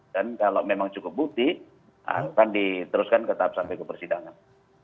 dan kalau memang cukup bukti akan diteruskan ke tahap sampai ke persidangan